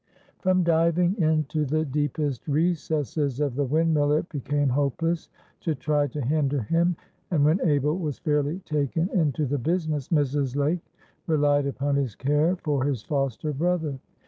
From diving into the deepest recesses of the windmill it became hopeless to try to hinder him, and when Abel was fairly taken into the business Mrs. Lake relied upon his care for his foster brother.